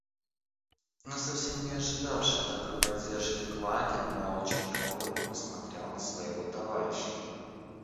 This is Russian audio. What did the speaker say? Но совсем не ожидавший такой поддержки Квакин молча и холодно посмотрел на своего товарища.